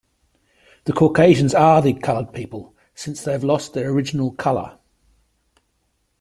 The Caucasians are the colored people, since they have lost their original color.